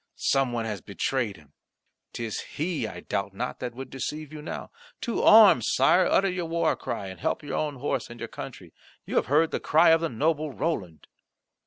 Some one has betrayed him; 'tis he, I doubt not, that would deceive you now. To arms, Sire! utter your war cry, and help your own house and your country. You have heard the cry of the noble Roland."